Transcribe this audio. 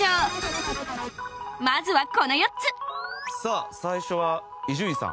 まずはこの４つさあ最初は伊集院さん。